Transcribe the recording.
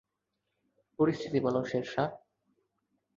পরিস্থিতি বলো, শেরশাহ।